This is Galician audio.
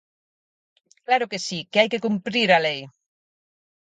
Claro que si, que hai que cumprir a lei.